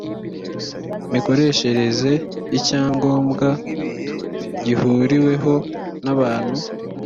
mikoreshereze y icyangombwa gihuriweho n abantu